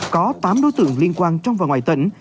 có tám đối tượng liên quan trong và ngoài tỉnh